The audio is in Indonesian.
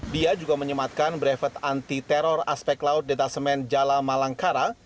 dia juga menyematkan brevet anti teror aspek laut detasemen jala malangkara